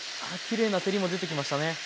きれいな照りも出てきましたね。